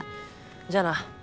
じゃあな。